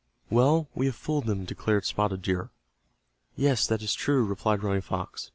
"Well, we have fooled them," declared Spotted Deer. "Yes, that is true," replied Running Fox.